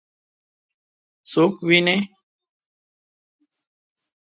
څوک وویني؟